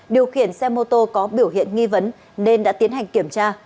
điều khiển xe mô tô có biểu hiện nghi vấn nên đã tiến hành kiểm tra